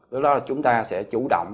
với đó là chúng ta sẽ chủ động